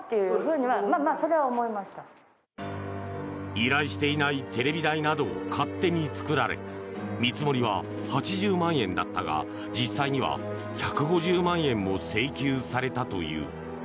依頼していないテレビ台などを勝手に作られ見積もりは８０万円だったが実際には１５０万円も請求されたという。